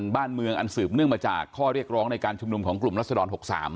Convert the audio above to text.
บ้านเมืองอันสืบเนื่องมาจากข้อเรียกร้องในการชุมนุมของกลุ่มรัศดร๖๓